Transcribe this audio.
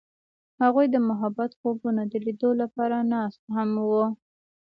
هغوی د محبوب خوبونو د لیدلو لپاره ناست هم وو.